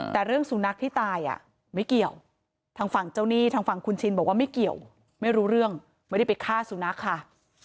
แต่เรื่องสุนัขที่ตายอ่ะไม่เกี่ยวทางฝั่งเจ้าหนี้ทางฝั่งคุณชินบอกว่าไม่เกี่ยวไม่รู้เรื่องไม่ได้ไปฆ่าสุนัขค่ะ